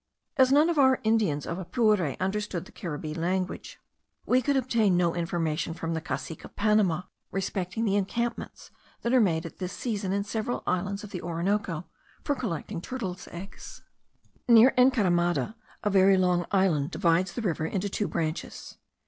As none of our Indians of Apure understood the Caribbee language, we could obtain no information from the cacique of Panama respecting the encampments that are made at this season in several islands of the Orinoco for collecting turtles' eggs. Near Encaramada a very long island divides the river into two branches.